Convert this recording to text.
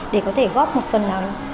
để có thể góp một phần nào